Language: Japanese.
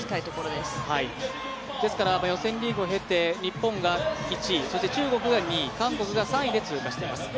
ですから予選リーグを経て日本が１位、そして中国が２位韓国が３位で通過しています。